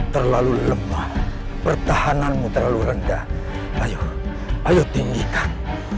terlalu lemah pertahananmu terlalu rendah ayo ayo tinggikan